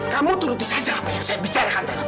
kamu turutin saja apa yang saya bicarakan tadi